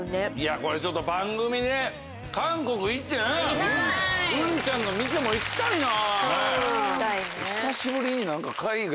これちょっと番組で韓国行ってなグンちゃんの店も行きたいなぁ。